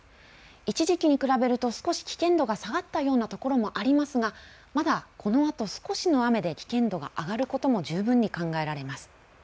一時期に比べると少し危険度が下がったようなところもありますがまだこのあと、少しの雨で危険度が上がることも十分に考えられます。